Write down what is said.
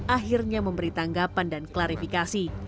akhirnya memberi tanggapan dan klarifikasi